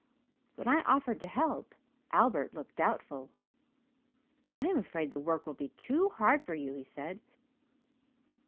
When I offered to help Albert looked doubtful. 'I am afraid the work will be too hard for you,' he said.